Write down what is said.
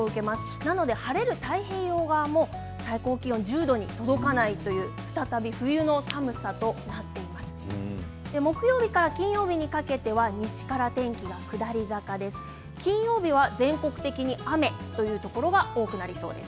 なので晴れる太平洋側も最高気温１０度に届かないという再び冬の寒さとなりそうです。